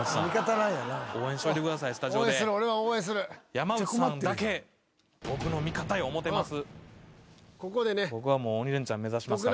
山内さんだけ僕の味方や思うてます。